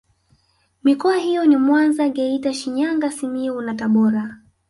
Mikoa hiyo ni Mwanza Geita Shinyanga Simiyu na Tabora